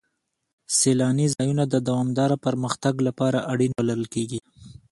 سیلاني ځایونه د دوامداره پرمختګ لپاره اړین بلل کېږي.